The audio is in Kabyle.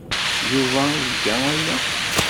Yuba iga aya.